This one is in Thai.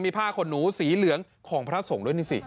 มีผ้าขนหนูสีเหลืองของพระสงฆ์ด้วยนี่สิ